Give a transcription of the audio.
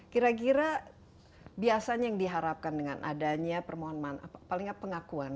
kira kira biasanya yang diharapkan dengan adanya permohonan maaf paling tidak pengakuan